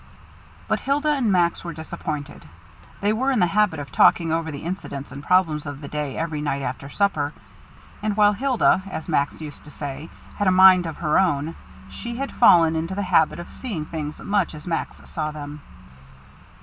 But Hilda and Max were disappointed. They were in the habit of talking over the incidents and problems of the day every night after supper. And while Hilda, as Max used to say, had a mind of her own, she had fallen into the habit of seeing things much as Max saw them.